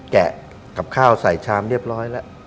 แกะกับข้าวใส่ชามเรียบร้อยแล้ว